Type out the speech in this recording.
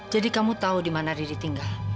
jadi kamu tahu di mana riri tinggal